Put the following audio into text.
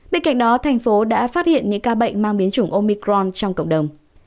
bên cạnh đó tp hcm đã phát hiện những ca bệnh mang biến chủng omicron trong cộng đồng